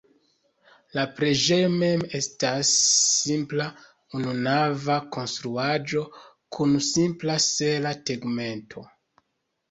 La preĝejo mem estas simpla ununava konstruaĵo kun simpla sela tegmento.